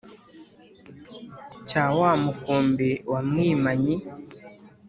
cya wa mukumbi wa mwimanyi